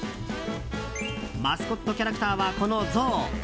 マスコットキャラクターはこのゾウ。